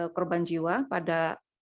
korban jiwa pada